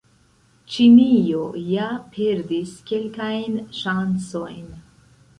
Ĉinio ja perdis kelkajn ŝancojn.